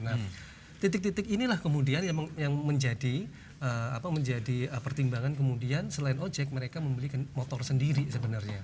nah titik titik inilah kemudian yang menjadi pertimbangan kemudian selain ojek mereka membelikan motor sendiri sebenarnya